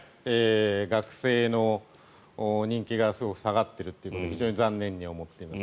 学生の人気がすごく下がっているのは非常に残念に思っています。